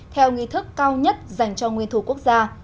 theo nghi thức cao nhất dành cho nguyên thủ quốc gia